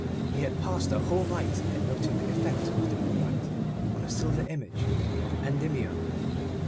He had passed a whole night in noting the effect of the moonlight on a silver image of Endymion.